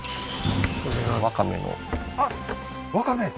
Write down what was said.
これがワカメのあっワカメ